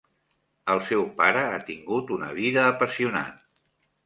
El seu pare ha tingut una vida apassionant.